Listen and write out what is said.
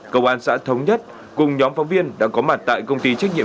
công an xã thống nhất cùng nhóm phóng viên đã có mặt tại công ty trách nhiệm